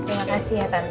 terima kasih ya tante